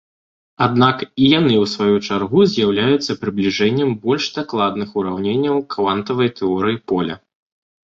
Аднак, і яны ў сваю чаргу з'яўляюцца прыбліжэннем больш дакладных ураўненняў квантавай тэорыі поля.